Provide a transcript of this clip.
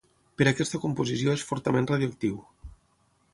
Per aquesta composició és fortament radioactiu.